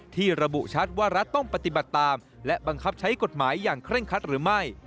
ที่ระบุชัดว่ารัฐต้องปฏิบัติตามและบังคับใช้กฎหมายอย่างเคร่งคัดหรือไม่